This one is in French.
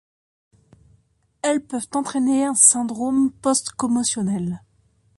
Elles peuvent entraîner un syndrome post-commotionnel.